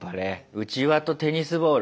うちわとテニスボール。